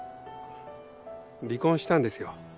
離婚したんですよ。